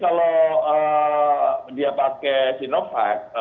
kalau dia pakai sinovac